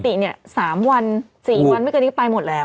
ปกตินี่๓๔วันไม่เกิดก็ไปหมดแล้ว